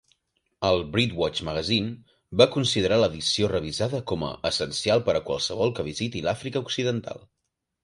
El "Birdwatch Magazine" va considerar l'addició revisada com a "essencial per a qualsevol que visiti l'Àfrica occidental".